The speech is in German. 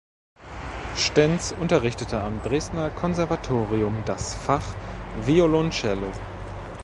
Stenz unterrichtete am Dresdner Konservatorium das Fach Violoncello.